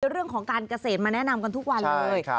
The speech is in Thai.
เรื่องของการเกษตรมาแนะนำกันทุกวันเลย